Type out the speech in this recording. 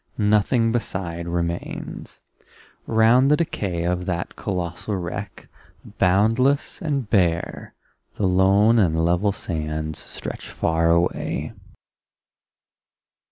Nothing beside remains. Round the decay Of that colossal wreck, boundless and bare The lone and level sands stretch far away.